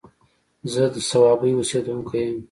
زه د صوابۍ اوسيدونکی يم